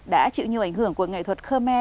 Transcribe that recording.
đã chịu nhiều ảnh hưởng của nghệ thuật khơ me